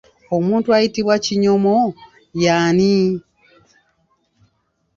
Omuntu ayitibwa kinyomo y'ani?